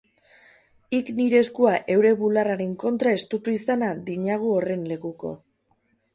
Hik nire eskua heure bularraren kontra estutu izana di-nagu horren lekuko.